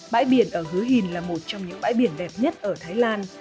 bãi biển ở hứa hìn là một trong những bãi biển đẹp nhất ở thái lan